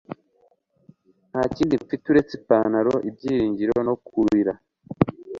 ntakindi mfite uretse ipantaro, ibyiringiro, no kurira